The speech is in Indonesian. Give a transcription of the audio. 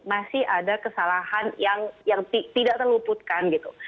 masih ada kesalahan yang tidak terluputkan gitu